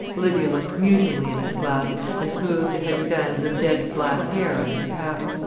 Olivia looked musingly in this glass, and smoothed the heavy bands of dead black hair under her cap.